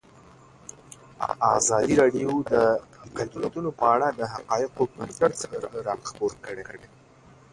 ازادي راډیو د اقلیتونه په اړه د حقایقو پر بنسټ راپور خپور کړی.